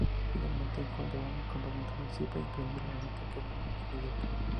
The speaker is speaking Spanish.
Finalmente, encontraron el campamento del Zipa y emprendieron el ataque de inmediato.